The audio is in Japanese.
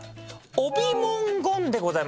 帯文言でございます。